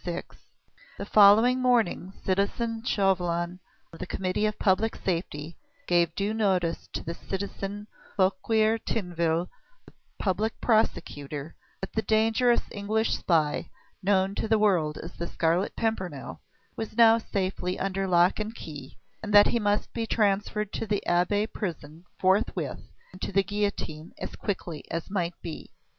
VI The following morning citizen Chauvelin, of the Committee of Public Safety, gave due notice to citizen Fouquier Tinville, the Public Prosecutor, that the dangerous English spy, known to the world as the Scarlet Pimpernel, was now safely under lock and key, and that he must be transferred to the Abbaye prison forthwith and to the guillotine as quickly as might be.